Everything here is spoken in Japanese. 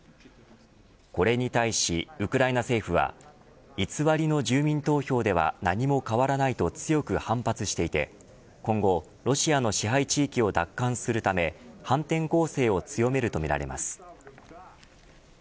これに対し、ウクライナ政府は偽りの住民投票では何も変わらないと強く反発していて今後ロシアの支配地域を奪還するため反転攻勢を強めるとみられます。